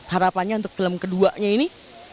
harapannya untuk film keduanya ini